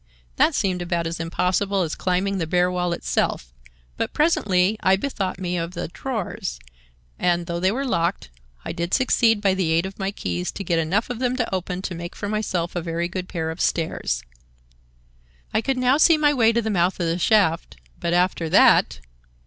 That seemed about as impossible as climbing the bare wall itself, but presently I bethought me of the drawers, and, though they were locked, I did succeed by the aid of my keys to get enough of them open to make for myself a very good pair of stairs. "I could now see my way to the mouth of the shaft, but after that!